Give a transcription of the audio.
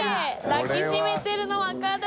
抱きしめてるの分かる。